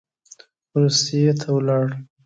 روسیې ته ولاړ.